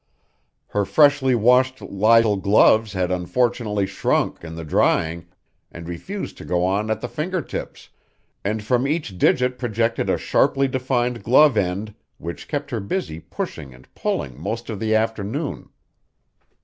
Her freshly washed lisle gloves had unfortunately shrunk in the drying and refused to go on at the finger tips, and from each digit projected a sharply defined glove end which kept her busy pushing and pulling most of the afternoon.